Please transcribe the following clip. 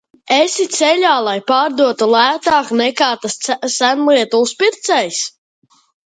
Esi ceļā, lai pārdotu lētāk, nekā tas senlietu uzpircējs?